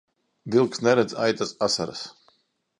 Vilks neredz aitas asaras.